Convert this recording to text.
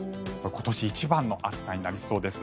今年一番の暑さになりそうです。